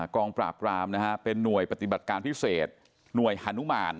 กองปราบรามนะฮะเป็นหน่วยปฏิบัติการพิเศษหน่วยฮานุมาน